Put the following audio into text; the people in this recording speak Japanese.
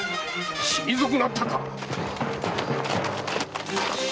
死に損なったか。